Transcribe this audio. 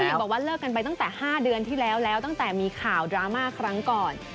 หญิงบอกว่าเลิกกันไปตั้งแต่๕เดือนที่แล้วแล้วตั้งแต่มีข่าวดราม่าครั้งก่อน